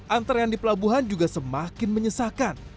antara yang di pelabuhan juga semakin menyesakan